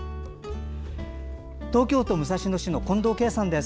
東京都武蔵野市の近藤慶さんです。